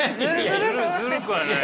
ずるくない。